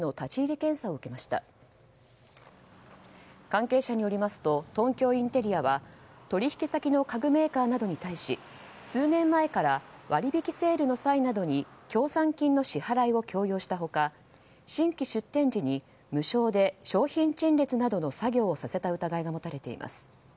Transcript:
関係者によりますと東京インテリアは取引先の家具メーカーなどに対し数年前から割引セールの際などに協賛金の支払いを強要した他新規出店時に無償で商品陳列などの作業をさせた疑いが持たれています。